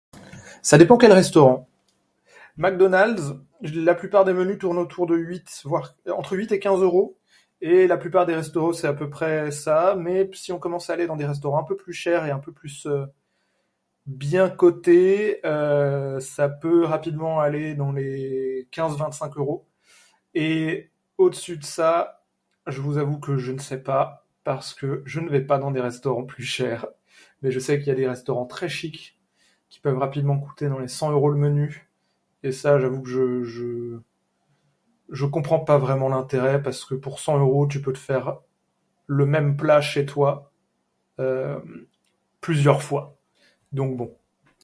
blablabla mc do restaurant chic